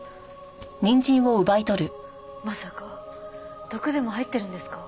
まさか毒でも入ってるんですか？